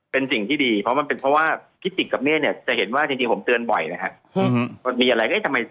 เป็นสิ่งที่ดีเพราะว่าพิสิตคนี้จะเห็นว่าจริงผมเตือนบ่อยนะครับ